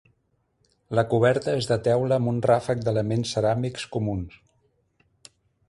La coberta és de teula amb un ràfec d'elements ceràmics comuns.